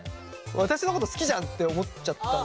私のこと好きじゃんって思っちゃったね。